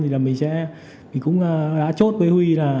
thì mình cũng đã chốt với we là